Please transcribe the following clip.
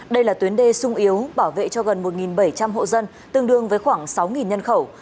đây là tuyến đê sung yếu bảo vệ cho gần một bảy trăm linh hộ dân tương đương với khoảng sáu nhân khẩu